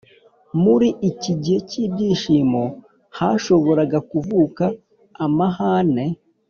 muri iki gihe k’ibyishimo hashoboraga kuvuka amahane,